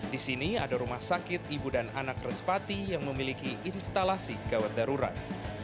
di sini ada rumah sakit ibu dan anak respati yang memiliki instalasi gawat darurat